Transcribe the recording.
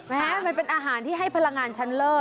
มันเป็นอาหารที่ให้พลังงานชั้นเลิศ